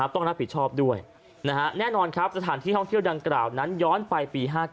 ต้องรับผิดชอบด้วยแน่นอนครับสถานที่ท่องเที่ยวดังกล่าวนั้นย้อนไปปี๕๙